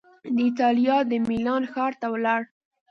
د ایټالیا د میلان ښار ته ولاړ